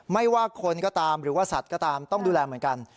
ไม่ว่าคนก็ตามหรือว่าสัตว์ก็ตามต้องดูแลเหมือนกัน